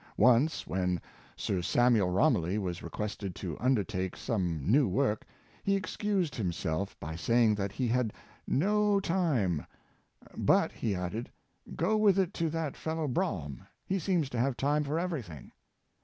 Once, when Sir Samuel Romilly was requested to un dertake some new work, he excused himself by saying that he had no time; " but," he added, " go with, it to that fellow Brougham; he seems to have time for every thing."